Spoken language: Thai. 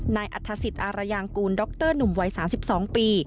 นายอัฐศิษย์อารยางกูลดรหนุ่มวัย๓๒ปี